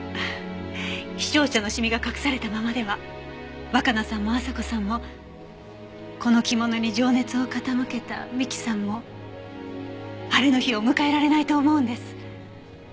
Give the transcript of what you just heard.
陽尚茶のシミが隠されたままでは若菜さんも朝子さんもこの着物に情熱を傾けた美樹さんも晴れの日を迎えられないと思うんです。